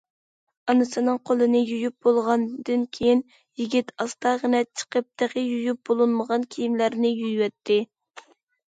ئانىسىنىڭ قولىنى يۇيۇپ بولغاندىن كېيىن، يىگىت ئاستاغىنا چىقىپ تېخى يۇيۇپ بولۇنمىغان كىيىملەرنى يۇيۇۋەتتى.